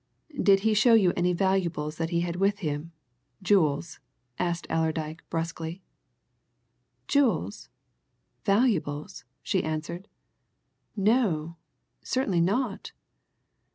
"Did he show you any valuables that he had with him jewels?" asked Allerdyke brusquely. "Jewels! Valuables!" she answered. "No certainly not."